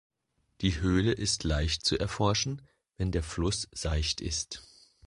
Die Höhle ist leicht zu erforschen, wenn der Fluss seicht ist.